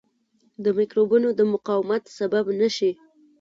د مکروبونو د مقاومت سبب نه شي.